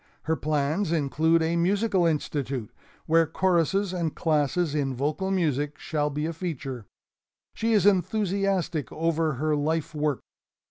Her plans include a Musical Institute where choruses and classes in vocal music shall be a feature. She is enthusiastic over her life work.